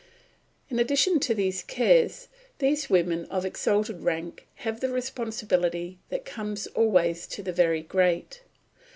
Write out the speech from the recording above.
In addition to these cares these women of exalted rank have the responsibility that comes always to the very great.